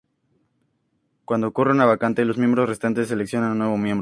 Cuando ocurre una vacante, los miembros restantes seleccionan un nuevo miembro.